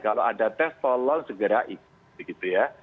kalau ada tes tolong segera ikut begitu ya